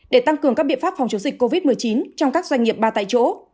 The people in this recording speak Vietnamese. để tăng cường các biện pháp phòng chống dịch covid một mươi chín trong các doanh nghiệp ba tại chỗ